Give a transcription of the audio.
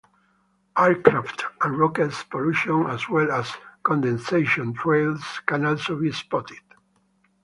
Aircraft and rocket pollution, as well as condensation trails, can also be spotted.